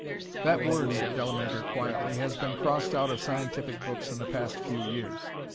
"That word," said Delamater, quietly, "has been crossed out of scientific books in the past few years."